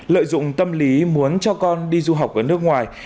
lợi dụng tâm lý muốn cho con đi du học ở nước ngoài